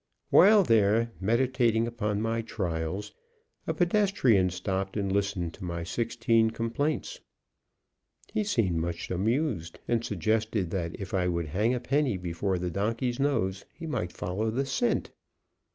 While there meditating upon my trials, a pedestrian stopped and listened to my sixteen complaints. He seemed much amused, and suggested that if I would hang a penny before the donkey's nose he might follow the cent.